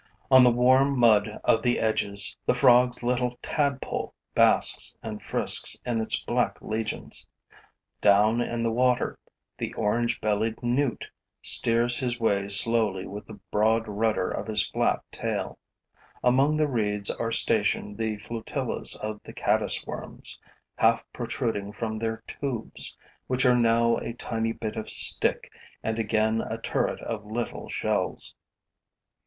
On the warm mud of the edges, the frog's little tadpole basks and frisks in its black legions; down in the water, the orange bellied newt steers his way slowly with the broad rudder of his flat tail; among the reeds are stationed the flotillas of the caddis worms, half protruding from their tubes, which are now a tiny bit of stick and again a turret of little shells.